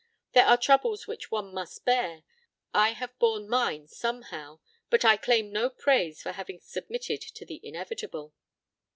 There are troubles which one must bear. I have borne mine somehow; but I claim no praise for having submitted to the inevitable."